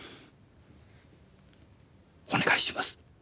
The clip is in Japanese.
お願いします。